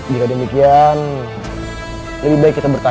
jika demikian lebih baik kita bertahan